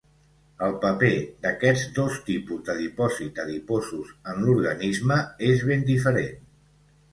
El paper d'aquests dos tipus de dipòsits adiposos en l'organisme és ben diferent.